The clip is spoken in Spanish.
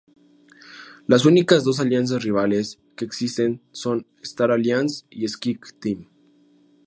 Las únicas dos alianzas rivales que existen son Star Alliance y SkyTeam.